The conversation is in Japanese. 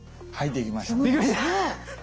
できました！